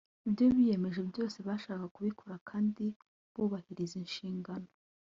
ibyo biyemeje byose babasha kubikora kandi bubahiriza inshingano